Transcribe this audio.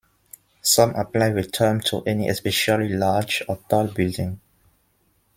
Some apply the term to any especially large or tall building.